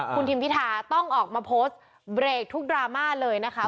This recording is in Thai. คุณทิมพิธาต้องออกมาโพสต์เบรกทุกดราม่าเลยนะคะ